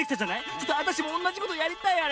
ちょっとあたしもおんなじことやりたいあれ。